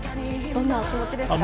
どんなお気持ちですか？